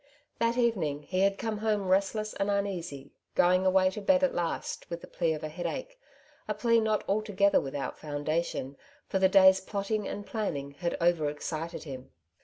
That evening he bad come home restless and un easy, going away to bed at last with the plea of a headache, a plea not altogether without foundation, for the day's plotting and planning had over excited him.